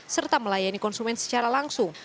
serta melayani konsumen secara langsung